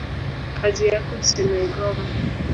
kazi yako sinaigoma.